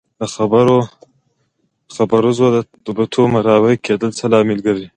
د خربوزو د بوټو مړاوي کیدل څه لامل لري؟